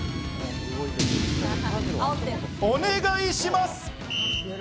お願いします。